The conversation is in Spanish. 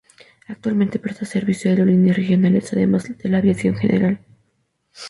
Actualmente presta servicio aerolíneas regionales, además de la aviación general.